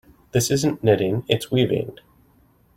This isn't knitting, its weaving.